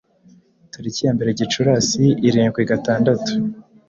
Tariki ya mbere Gicurasi irindwi gatandatu